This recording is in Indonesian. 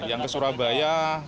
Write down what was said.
yang ke surabaya